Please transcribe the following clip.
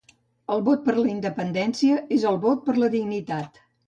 El vot per la independència és el vot per la dignitat